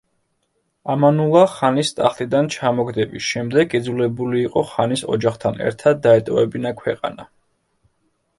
ამანულა ხანის ტახტიდან ჩამოგდების შემდეგ იძულებული იყო ხანის ოჯახთან ერთად დაეტოვებინა ქვეყანა.